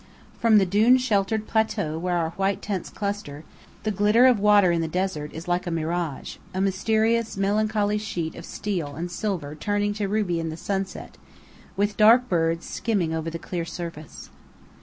From the dune sheltered plateau where our white tents cluster, the glitter of water in the desert is like a mirage: a mysterious, melancholy sheet of steel and silver turning to ruby in the sunset, with dark birds skimming over the clear surface.